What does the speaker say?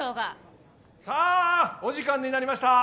さあお時間になりました。